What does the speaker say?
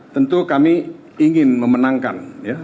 tentu kami ingin memenangkan